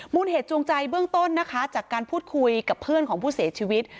เหตุจูงใจเบื้องต้นนะคะจากการพูดคุยกับเพื่อนของผู้เสียชีวิต